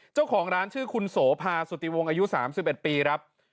เจ้าของร้านชื่อคุณโสภาสุติวงอายุ๓๑ปีครับ